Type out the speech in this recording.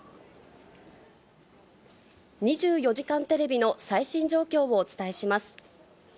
２４時間テレビの最新状況をお伝えします。